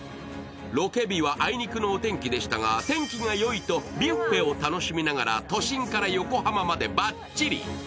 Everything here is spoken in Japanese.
ロケ日は、あいにくのお天気でしたが天気がいいとビュッフェを楽しみながら都心から横浜までバッチリ。